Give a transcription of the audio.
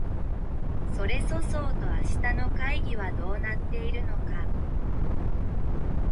それそそうと明日の会議はどうなっているのか